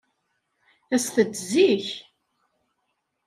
Aset-d zik.